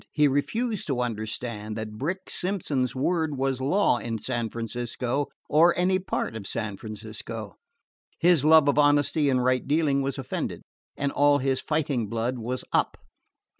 He refused to understand that Brick Simpson's word was law in San Francisco, or any part of San Francisco. His love of honesty and right dealing was offended, and all his fighting blood was up.